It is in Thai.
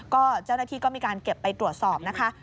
ก็เจ้าหน้าที่ก็มีการเก็บไปตรวจสอบนะคะ